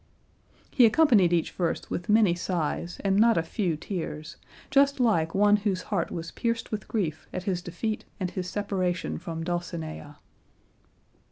He accompanied each verse with many sighs and not a few tears, just like one whose heart was pierced with grief at his defeat and his separation from Dulcinea.